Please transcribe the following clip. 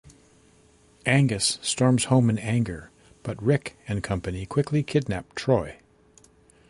Angus storms home in anger, but Rick and company quickly kidnap Troy.